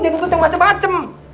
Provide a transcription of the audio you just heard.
itu yang macam macam